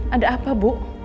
ada apa bu